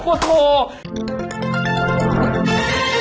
โปรดติดตามตอนต่อไป